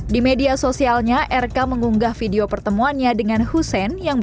di media sosialnya rk mengunggah video pertemuannya dengan hussein